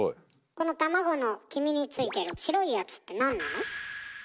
この卵の黄身についてる白いやつってなんなの？